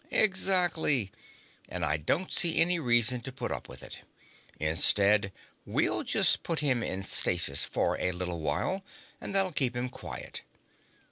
"Exactly. And I don't see any reason to put up with it. Instead, well just put him in stasis for a little while, and that'll keep him quiet."